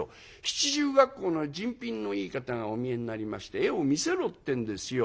七十恰好の人品のいい方がお見えになりまして絵を見せろってんですよ。